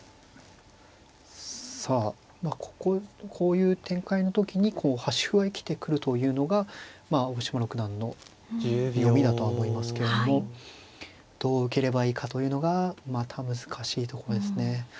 さあこういう展開の時に端歩が生きてくるというのが青嶋六段の読みだとは思いますけどもどう受ければいいかというのがまた難しいとこですね。